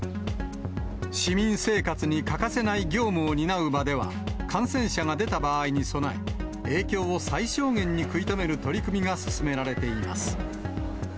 市民生活に欠かせない業務を担う場では、感染者が出た場合に備え、影響を最小限に食い止める取り組みが進められています。